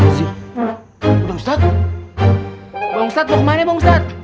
perde gusta stafot bama namanya